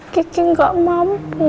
kiki gak mampu